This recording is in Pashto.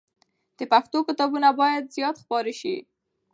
د پښتو کتابونه باید زیات خپاره سي.